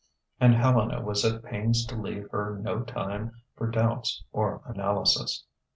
And Helena was at pains to leave her no time for doubts or analysis.